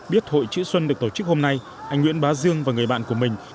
biết hội chữ xuân được tổ chức hôm nay anh nguyễn bá dương và người bạn của mình